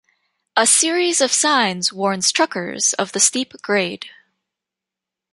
A series of signs warns truckers of the steep grade.